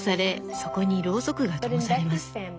そこにロウソクがともされます。